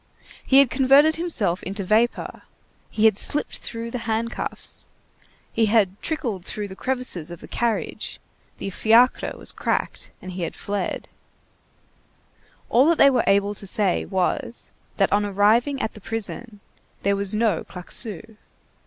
He had converted himself into vapor, he had slipped through the handcuffs, he had trickled through the crevices of the carriage, the fiacre was cracked, and he had fled; all that they were able to say was, that on arriving at the prison, there was no Claquesous.